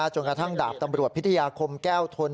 จนกระทั่งดาบตำรวจพิทยาคมแก้วทน